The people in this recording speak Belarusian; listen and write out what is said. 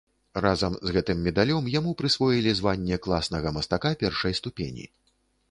Разам з гэтым медалём яму прысвоілі званне класнага мастака першай ступені.